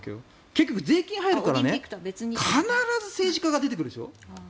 結局、税金が入るからね必ず政治家が出てくるでしょ。